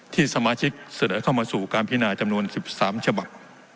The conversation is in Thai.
สมาชิกเสนอเข้ามาสู่การพินาจำนวน๑๓ฉบับ